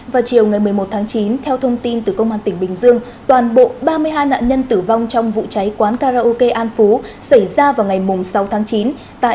vào chiều một mươi một chín theo thông tin từ công an tỉnh bình dương toàn bộ ba mươi hai nạn nhân tử vong trong vụ cháy quán karaoke an phú xảy ra vào ngày sáu chín tại phường an phú tp thuận an